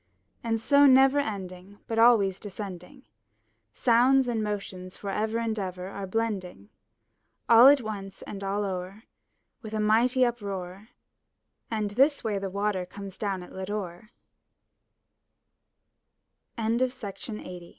And so never ending, but always descending, Sounds and motions forever and ever are blending. All at once and all o'er, with a mighty uproar, And this way the Water comes down at Lodore 383 MY BOOK HOUSE TH